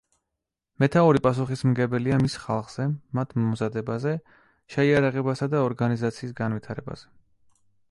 მეთაური პასუხისმგებელია მის ხალხზე, მათ მომზადებაზე, შეიარაღებასა და ორგანიზაციის განვითარებაზე.